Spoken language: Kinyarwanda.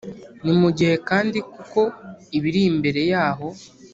ni mu gihe kandi, kuko ibiri mbere yaho